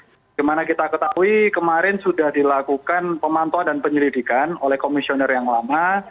bagaimana kita ketahui kemarin sudah dilakukan pemantauan dan penyelidikan oleh komisioner yang lama